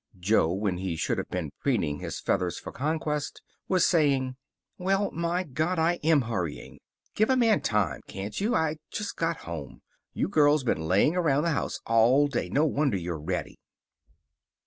Jo, when he should have been preening his feathers for conquest, was saying: "Well, my God, I AM hurrying! Give a man time, can't you? I just got home. You girls been laying around the house all day. No wonder you're ready."